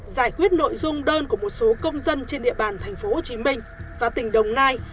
giải quyết nội dung đơn của một số công dân trên địa bàn tp hcm và tỉnh đồng nai